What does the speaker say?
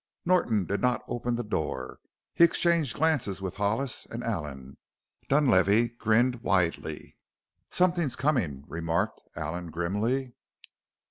Norton did not open the door. He exchanged glances with Hollis and Allen. Dunlavey grinned widely. "Something's coming," remarked Allen grimly.